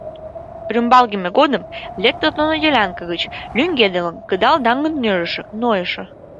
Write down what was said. Рӱмбалгыме годым лектыт нуно делянка гыч, лӱҥгедылын, кыдал даҥыт нӧрышӧ, нойышо.